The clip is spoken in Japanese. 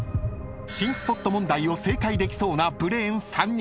［新スポット問題を正解できそうなブレーン３人］